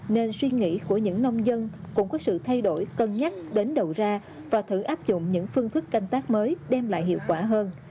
nên suy nghĩ của những nông dân cũng có sự thay đổi cân nhắc đến đầu ra và thử áp dụng những phương thức canh tác mới đem lại hiệu quả hơn